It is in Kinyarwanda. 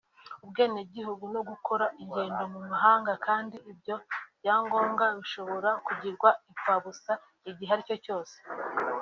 ubwenegihugu no gukora ingendo mu mahanga kandi ibyo byangombwa bishobora kugirwa impfabusa igihe icyo ari cyo cyose